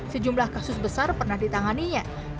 sejumlah kasus besar pernah ditanganinya